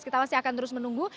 kita masih akan terus menunggu